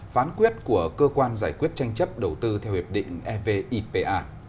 phán quyết của cơ quan giải quyết tranh chấp đầu tư theo hiệp định evipa